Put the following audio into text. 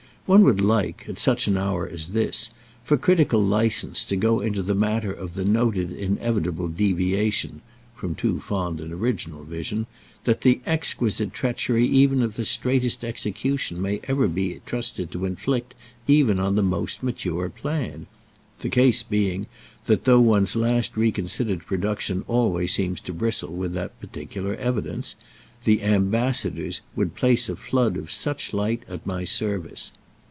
One would like, at such an hour as this, for critical licence, to go into the matter of the noted inevitable deviation (from too fond an original vision) that the exquisite treachery even of the straightest execution may ever be trusted to inflict even on the most mature plan—the case being that, though one's last reconsidered production always seems to bristle with that particular evidence, "The Ambassadors" would place a flood of such light at my service.